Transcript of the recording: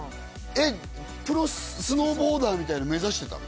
プロスノーボーダーみたいなの目指してたの？